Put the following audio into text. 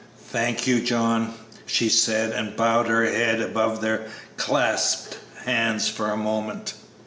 "Thank you, John," she said, and bowed her head above their clasped hands for a moment.